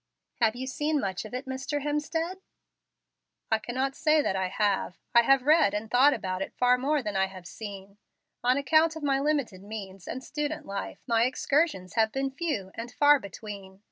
"Have you seen much of it, Mr. Hemstead?" "I cannot say that I have. I have read and thought about it far more than I have seen. On account of my limited means and student life, my excursions have been few and far between.